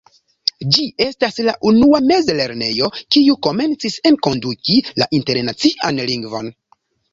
Ĝi estas la unua mezlernejo kiu komencis enkonduki la internacian lingvon.